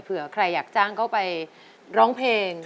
เผื่อใครอยากจ้างเขาไปร้องเพลง